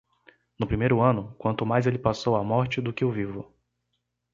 No primeiro ano, quanto mais ele passou a morte do que o vivo.